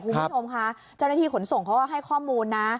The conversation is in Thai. คุณผู้ชมค่ะเจ้าหน้าที่ขนส่งเขาก็ให้ข้อมูลนะ